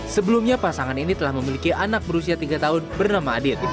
sebelumnya pasangan ini telah memiliki anak berusia tiga tahun bernama adit